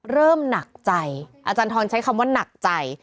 เริ่มหนักใจอาจารย์ทรใช้คำว่าหนักใจ